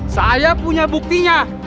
saya punya buktinya